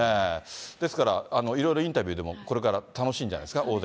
ですから、いろいろインタビューでもこれから楽しいんじゃないですか？